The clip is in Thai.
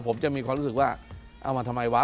ผมจะมีความรู้สึกว่าเอามาทำไมวะ